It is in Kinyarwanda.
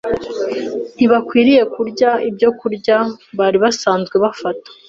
ntibakwiriye kurya ibyokurya bari basanzwe bafata;